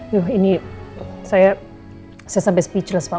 yuh ini saya sampai speechless pak